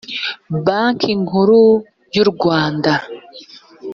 banki nkuru y’u rwanda